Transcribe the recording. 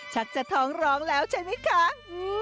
ชักจะท้องร้องแล้วใช่ไหมคะ